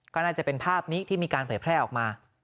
ก็น่าจะเป็นภาพนี้ที่มีการเผยแพร่ออกมา